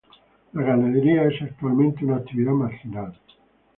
La ganadería es actualmente una actividad marginal.